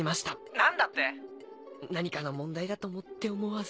何だって⁉何かの問題だと思って思わず。